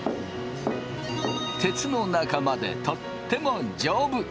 鉄の仲間でとっても丈夫。